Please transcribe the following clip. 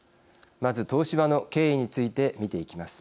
まず、東芝の経緯について見ていきます。